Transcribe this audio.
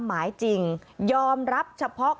หมายจริงยอมรับเฉพาะ